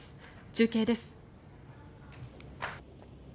中継です。